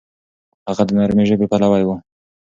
هغه د نرمې ژبې پلوی و.